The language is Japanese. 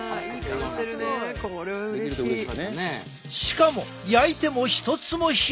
しかも焼いても一つも開かない！